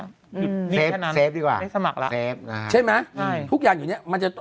อยู่นี้แค่นั้นไม่สมัครแล้วนะครับใช่ไหมทุกอย่างอยู่นี้มันจะ